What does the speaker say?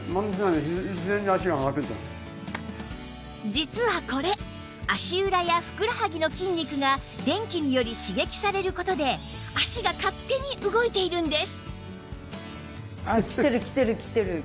実はこれ足裏やふくらはぎの筋肉が電気により刺激される事で脚が勝手に動いているんです